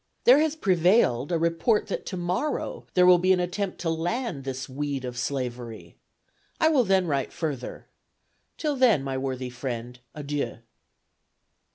There has prevailed a report that tomorrow there will be an attempt to land this weed of slavery. I will then write further. Till then, my worthy friend, adieu."